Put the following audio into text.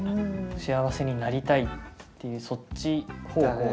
幸せになりたいっていうそっち方向の。